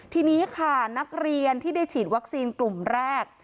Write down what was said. ทีนี้ค่ะนักเรียนที่ได้ฉีดวัคซีนกลุ่มแรก